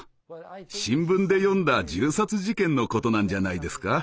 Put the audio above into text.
新聞で読んだ銃殺事件のことなんじゃないですか？